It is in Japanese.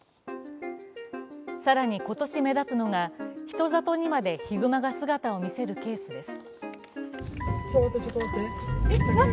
更に今年目立つのが、人里にまでヒグマが姿を見せるケースです。